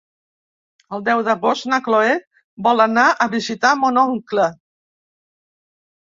El deu d'agost na Cloè vol anar a visitar mon oncle.